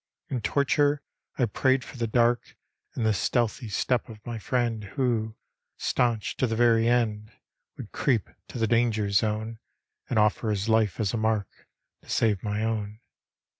In torture I prayed for the dark And the stealdiy step of my friend Who, stanch to the very end. Would creep to the danger zone And offer his life as a mark To save my own.